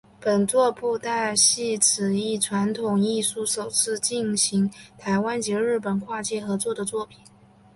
本作是布袋戏此一传统艺术首次进行台湾及日本跨界合作的作品。